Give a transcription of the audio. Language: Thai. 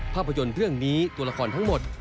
ภาพยนตร์เรื่องนี้ตัวละครทั้งหมด